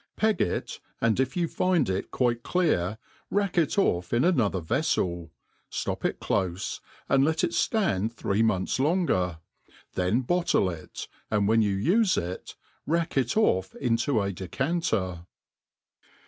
Peg it, and if you find it quite clear rack it oiF in another vefiel i ftop it clofe, and let it ftand three months" longer ; then bottle it, and when you ufe it, rack it oflF into a decanter.